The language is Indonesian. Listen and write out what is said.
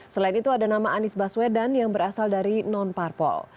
selain itu ada nama anis baswedan yang berasal dari nonparpol